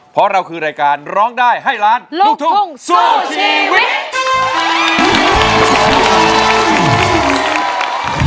เพราะเราคือรายการร้องได้ให้ล้านลูกทุ่งสู้ชีวิต